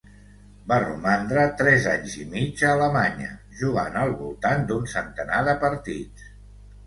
Va romandre tres anys i mig a Alemanya, jugant al voltant d'un centenar de partits.